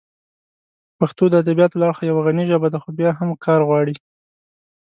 پښتو د ادبیاتو له اړخه یوه غني ژبه ده، خو بیا هم کار غواړي.